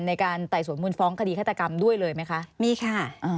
ในการไต่สวนมูลฟ้องคดีฆาตกรรมด้วยเลยไหมคะมีค่ะ